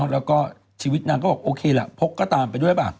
แล้วก็ชีวิตนางก็บอกโอเคล่ะพกก็ตามไปด้วยป่ะ